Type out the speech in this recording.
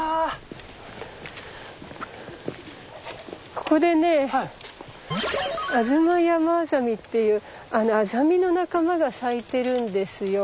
ここでねアズマヤマアザミっていうアザミの仲間が咲いてるんですよ。